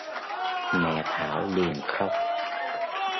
Mẹ Thảo liền khóc